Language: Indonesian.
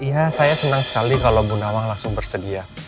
iya saya senang sekali kalau bu nawang langsung bersedia